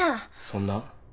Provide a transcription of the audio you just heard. そんな？